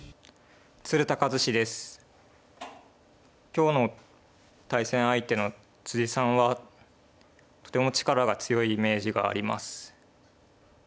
今日の対戦相手のさんはとても力が強いイメージがあります。